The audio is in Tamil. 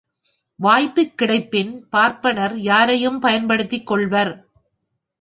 வாய்ப்புக்கிடைப்பின் பார்ப்பனர் யாரையும் பயன்படுத்திக் கொள்வர்.